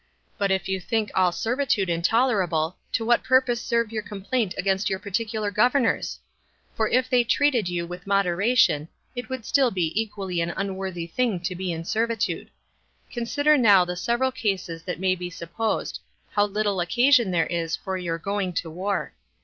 but if you think all servitude intolerable, to what purpose serve your complaint against your particular governors? for if they treated you with moderation, it would still be equally an unworthy thing to be in servitude. Consider now the several cases that may be supposed, how little occasion there is for your going to war.